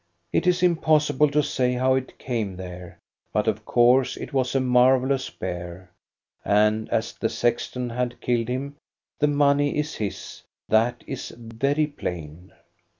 It is impossible to say how it came there, but of course it was a marvellous bear ; and as the sexton had killed him, the money is his, that is very plain.